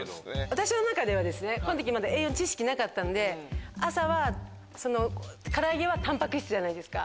私の中ではこの時まだ栄養の知識なかったんで朝はからあげはタンパク質じゃないですか。